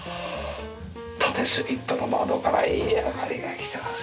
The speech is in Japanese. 縦スリットの窓からいい明かりが来てますよ。